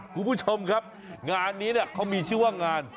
คุณผู้ชมครับงานนี้เขามีชื่อว่างาน